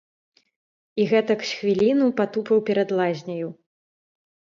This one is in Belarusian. І гэтак з хвіліну патупаў перад лазняю.